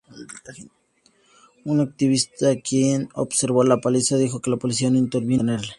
Un activista, quien observó la paliza, dijo que la policía no intervino para detenerla.